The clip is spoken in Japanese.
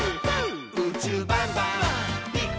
「うちゅうバンバンビッグバン！」